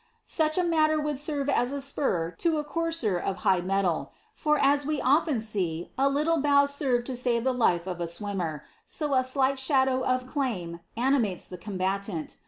"Such a mailer would serve as a spur lo a courser of high mellle; for aa we often see a liille bough serve lo save the life of a swimmer, so a slight shadow of claim animates the combaiani.